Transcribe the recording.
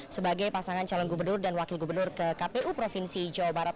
sebagai pasangan calon gubernur dan wakil gubernur ke kpu provinsi jawa barat